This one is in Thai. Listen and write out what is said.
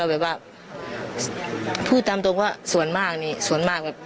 แบบว่าพูดตามตรงว่าส่วนมากนี่ส่วนมากแบบ